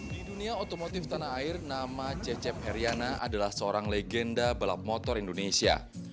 di dunia otomotif tanah air nama cecep heriana adalah seorang legenda balap motor indonesia